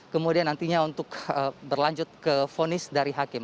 kemudian nantinya untuk berlanjut ke fonis dari hakim